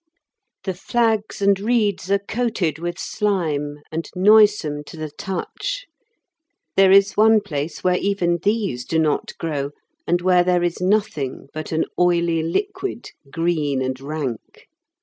The flags and reeds are coated with slime and noisome to the touch; there is one place where even these do not grow, and where there is nothing but an oily liquid, green and rank.